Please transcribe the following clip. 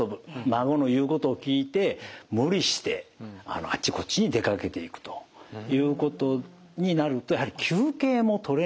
孫の言うことを聞いて無理してあっちこっちに出かけていくということになるとやはり休憩もとれなくて頑張ってしまう。